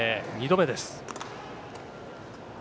２度目です。